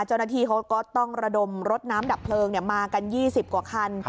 เจ้าหน้าที่เขาก็ต้องระดมรถน้ำดับเพลิงมากัน๒๐กว่าคัน